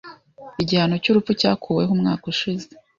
Igihano cyurupfu cyakuweho umwaka ushize.